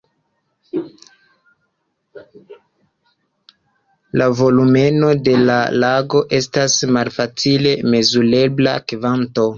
La volumeno de lago estas malfacile mezurebla kvanto.